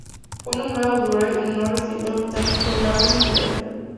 Fue nombrado Durrell en honor al escritor británico Lawrence Durrell.